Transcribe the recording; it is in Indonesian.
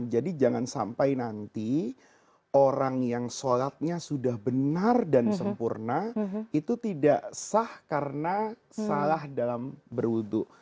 jangan sampai nanti orang yang sholatnya sudah benar dan sempurna itu tidak sah karena salah dalam berwudhu